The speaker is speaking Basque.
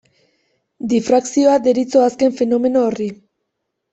Difrakzioa deritzo azken fenomeno horri.